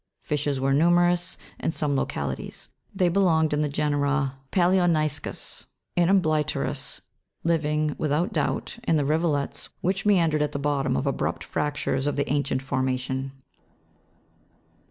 Fishes were numerous, in some localities ; they belonged to the. genera palioni'scus (fig* 56, p. 48), and ambly'pterus, living, without doubt, in the rivulets which meandered at the bottom of abrupt fractures of the ancient formation.